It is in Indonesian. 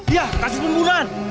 iya kasih pembunuhan